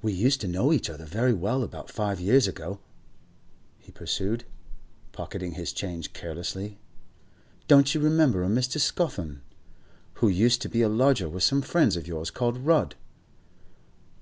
'We used to know each other very well about five years ago,' he pursued, pocketing his change carelessly. 'Don't you remember a Mr. Scawthorne, who used to be a lodger with some friends of yours called Rudd?